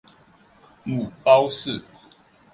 母包氏。